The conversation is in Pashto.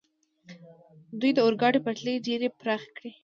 دوی د اورګاډي پټلۍ ډېرې پراخې کړې.